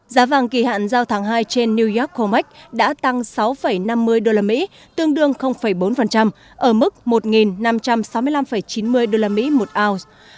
giá vàng kỳ hạn giao tháng hai trên new york comac đã tăng sáu năm mươi usd tương đương bốn ở mức một năm trăm sáu mươi năm chín mươi usd một ounce